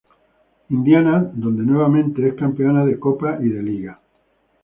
Indiana donde nuevamente es campeona de copa y de liga.